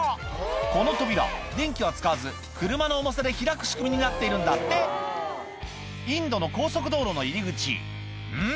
この扉電気は使わず車の重さで開く仕組みになっているんだってインドの高速道路の入り口うん？